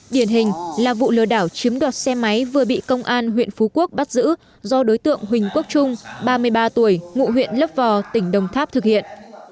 điển hình là vụ lừa đảo chiếm đoạt xe máy vừa bị công an huyện phú quốc bắt giữ do đối tượng huỳnh quốc trung ba mươi ba tuổi ngụ huyện lấp vò tỉnh đồng tháp thực hiện